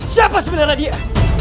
siapa sebenarnya dia